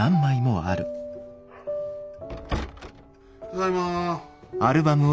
・ただいま。